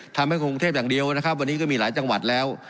ทำให้กรุงเทพอย่างเดียวนะครับวันนี้ก็มีหลายจังหวัดแล้ว